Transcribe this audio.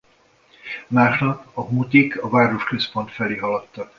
Másnap a hútik a városközpont felé haladtak.